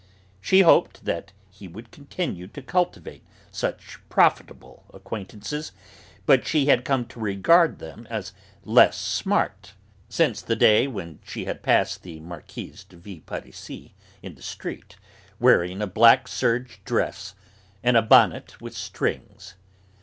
She hoped that he would continue to cultivate such profitable acquaintances, but she had come to regard them as less smart since the day when she had passed the Marquise de Villeparisis in the street, wearing a black serge dress and a bonnet with strings.